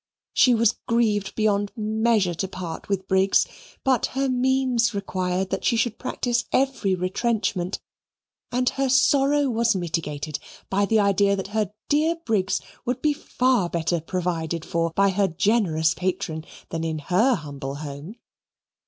She was grieved beyond measure to part with Briggs, but her means required that she should practise every retrenchment, and her sorrow was mitigated by the idea that her dear Briggs would be far better provided for by her generous patron than in her humble home.